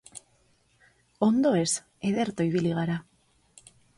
Ondo ez, ederto ibili gara.